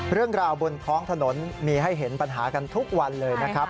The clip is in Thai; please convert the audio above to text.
เรื่องราวบนท้องถนนมีให้เห็นปัญหากันทุกวันเลยนะครับ